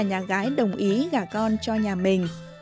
nhà gái đồng ý gả con cho nhà mình